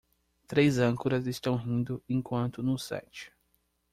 Três âncoras estão rindo enquanto no set.